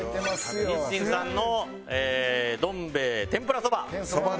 日清さんのどん兵衛天ぷらそば。